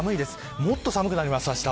もっと寒くなります。